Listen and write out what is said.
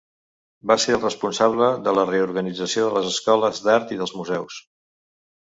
Va ser el responsable de la reorganització de les escoles d'art i dels museus.